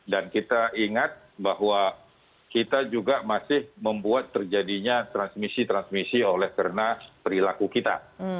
dan kita ingat bahwa kita juga masih membuat terjadinya transmisi transmisi oleh karena perilaku kita